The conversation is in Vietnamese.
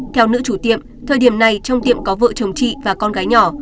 theo nữ chủ tiệm thời điểm này trong tiệm có vợ chồng chị và con gái nhỏ